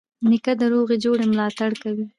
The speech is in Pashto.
نیکه د روغي جوړې ملاتړ کوي.